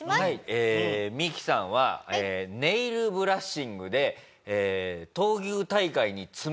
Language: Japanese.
えーミキさんはネイルブラッシングで闘牛大会に爪痕を残した人です。